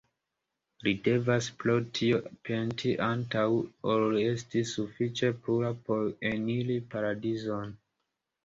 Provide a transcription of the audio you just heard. Li devas pro tio penti, antaŭ ol esti sufiĉe pura por eniri Paradizon.